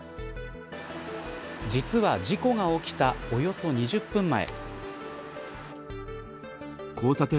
実は事故が起きたおよそ２０分前。